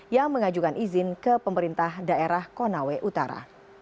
yang mengajukan izin ke pemerintah daerah konawe utara